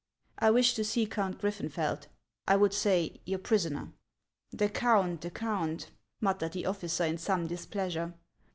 "I wish to see Count Grittenfeld, — I would say, your prisoner." " The Count ! the Count !" muttered the officer in some displeasure.